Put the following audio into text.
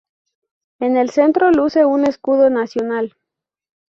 En el centro luce un escudo nacional.